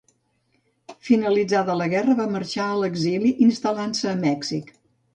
Finalitzada la guerra va marxar a l'exili, instal·lant-se a Mèxic.